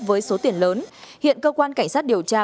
với số tiền lớn hiện cơ quan cảnh sát điều tra